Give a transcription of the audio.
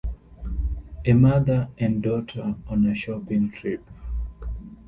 A mother and daughter on a shopping trip.